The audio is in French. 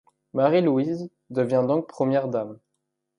Marie-Louise devient donc Première dame.